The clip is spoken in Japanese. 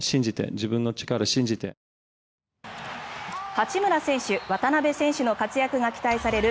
八村選手、渡邊選手の活躍が期待される